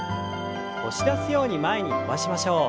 押し出すように前に伸ばしましょう。